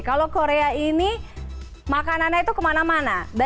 kalau korea ini makanannya itu kemana mana